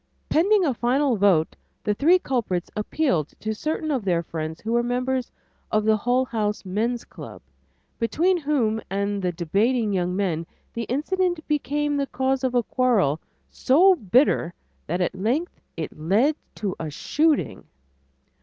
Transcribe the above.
Pending a final vote, the three culprits appealed to certain of their friends who were members of the Hull House Men's Club, between whom and the debating young men the incident became the cause of a quarrel so bitter that at length it led to a shooting.